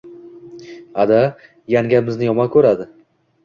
Ada, yangam bizni yomon ko`radi